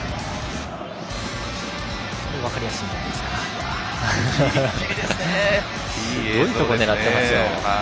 すごいところ狙ってますよ。